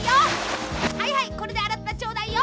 はいはいこれであらってちょうだいよ。